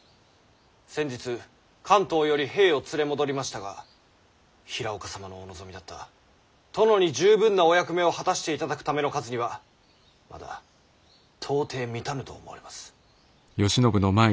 先日関東より兵を連れ戻りましたが平岡様のお望みだった殿に十分なお役目を果たしていただくための数にはまだ到底満たぬと思われます。